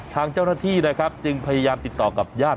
ทางเจ้าหน้าที่นะครับจึงพยายามติดต่อกับญาติ